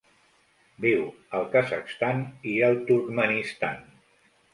Viu al Kazakhstan i el Turkmenistan.